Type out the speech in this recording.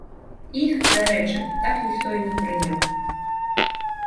Іх, дарэчы, так ніхто і не прыняў.